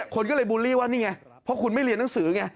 คนก็เลยบูลลี่ว่านี่ไงเพราะคุณไม่เรียนหนังสือไง